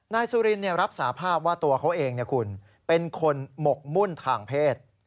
นายสุรินรับสาภาพว่าตัวเขาเองเป็นคนหมกมุ่นทางเพศ